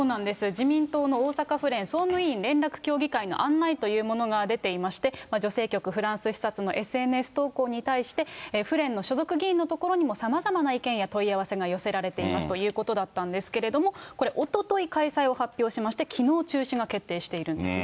自民党の大阪府連総務委員連絡協議会の案内というものが出ていまして、女性局フランス視察のＳＮＳ投稿に対して、府連の所属議員のところにもさまざまな意見や問い合わせが寄せられていますということだったんですけれども、これ、おととい開催を発表しまして、きのう中止が決定しているんですね。